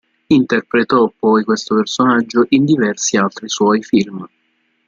Interpretò poi questo personaggio in diversi altri suoi film.